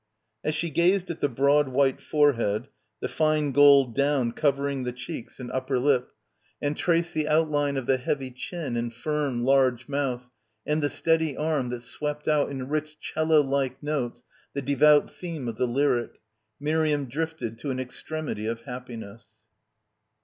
As she gazed at the broad white forehead, the fine gold down covering the cheeks and upper lip, and traced the outline of the heavy chin and firm large mouth and the steady arm that swept out in rich 'cello like notes the devout theme of the lyric, Miriam drifted to an extremity of hap piness.